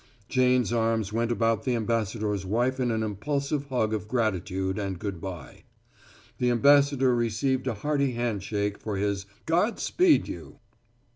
Jane's arms went about the ambassador's wife in an impulsive hug of gratitude and good by; the ambassador received a hearty handshake for his "God speed you!"